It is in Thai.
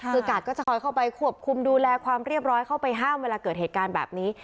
คือกาดก็จะคอยเข้าไปควบคุมดูแลความเรียบร้อยเข้าไปห้ามเวลาเกิดเหตุการณ์แบบนี้